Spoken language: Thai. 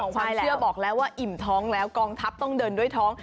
ความเชื่อบอกแล้วว่าอิ่มท้องแล้วกองทัพต้องเดินด้วยท้อง